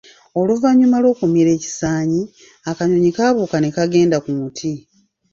Oluvannyuma lw’okumira ekisaanyi, akanyonyi kaabuuka ne kagenda ku muti.